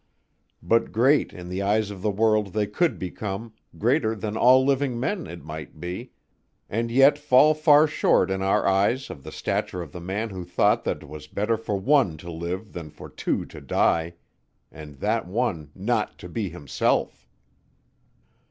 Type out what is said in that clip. But great in the eyes of the world they could become, greater than all living men, it might be, and yet fall far short in our eyes of the stature of the man who thought that 'twas better for one to live than for two to die, and that one not to be himself.